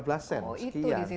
oh itu di situ kosnya